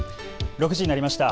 ６時になりました。